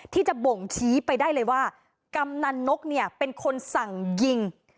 ที่จะบ่งชี้ไปได้เลยว่ากำนันนกเนี่ยเป็นคนสั่งยิง